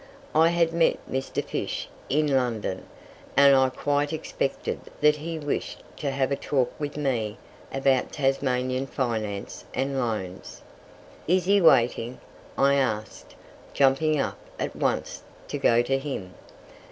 I had met Mr. Fysh in London, and I quite expected that he wished to have a talk with me about Tasmanian Finance and Loans. "Is he waiting?" I asked, jumping up at once to go to him.